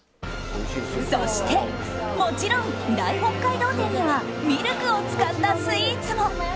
そしてもちろん大北海道展にはミルクを使ったスイーツも。